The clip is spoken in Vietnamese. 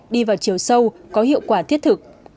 đi vào chiều sâu có hiệu quả thiết thực